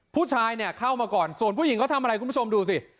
ผู้ชายเนี่ยเข้ามาก่อนส่วนผู้หญิงเขาทำอะไรคุณผู้ชมดูสิ